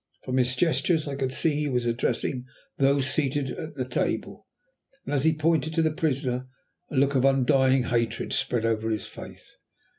From his gestures I could see that he was addressing those seated at the table, and, as he pointed to the prisoner, a look of undying hatred spread over his face.